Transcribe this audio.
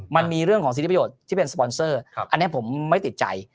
มันมีเรื่องของสิทธิประโยชน์ที่เป็นสปอนเซอร์อันนี้ผมไม่ติดใจ